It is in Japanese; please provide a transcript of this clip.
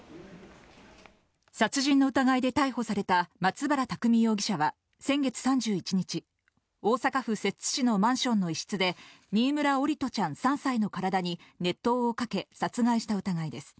殺人の疑いで逮捕された松原拓海容疑者は先月３１日、大阪府摂津市のマンションの一室で、新村桜利斗ちゃん３歳の体に熱湯をかけ、殺害した疑いです。